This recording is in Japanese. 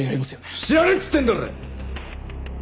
知らねえっつってんだろ！